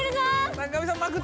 坂上さんまくって！